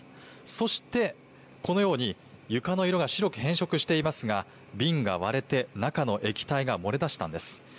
そして、このように床の色が白く変色していますが瓶が割れて中の液体が漏れ出したんです。